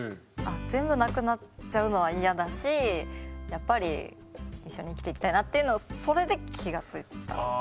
全部なくなっちゃうのは嫌だしやっぱり一緒に生きていきたいなっていうのをそれで気が付いたっていう。